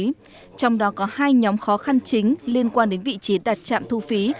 trong đó có hai nhóm khó khăn chính liên quan đến vị trí đặt trạm thu phí